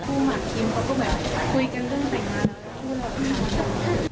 คุณหมาดทีมเขาก็แบบคุยกันเรื่องใส่งาน